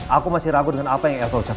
aku masih ragu dengan apa yang aku ucapkan